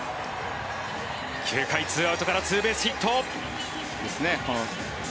９回２アウトからツーベースヒット。